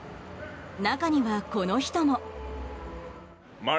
中には、この人も。